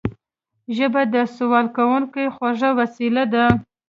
ژبه د سوال کوونکي خوږه وسيله ده